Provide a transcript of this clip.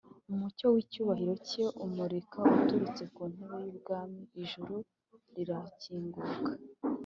Umucyo w’icyubahiro cye umurika uturutse ku ntebe y’Ubwami. Ijuru rirakinguka,